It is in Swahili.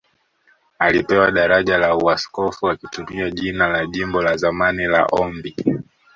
Alipewa daraja la Uaskofu akitumia jina la jimbo la zamani la Ombi